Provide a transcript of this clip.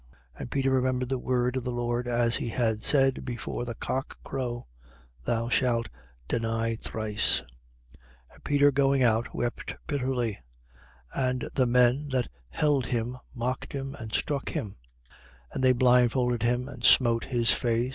And Peter remembered the word of the Lord, as he had said: Before the cock crow, thou shalt deny thrice. 22:62. And Peter going out, wept bitterly. 22:63. And the men that held him mocked him and struck him. 22:64. And they blindfolded him and smote his face.